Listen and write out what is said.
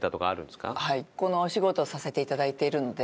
このお仕事させて頂いているので。